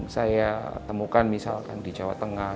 saya tetap berdoa